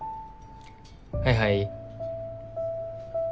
はいはい。